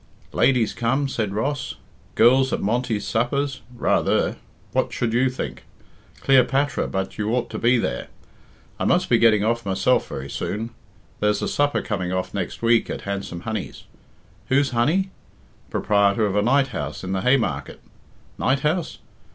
"Ladies come?" said Ross. "Girls at Monty's suppers? Rather! what should you think? Cleopatra but you ought to be there. I must be getting off myself very soon. There's a supper coming off next week at Handsome Honey's. Who's Honey? Proprietor of a night house in the Haymarket. Night house?